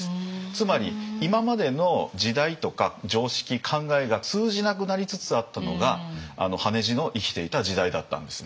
つまり今までの時代とか常識考えが通じなくなりつつあったのが羽地の生きていた時代だったんですね。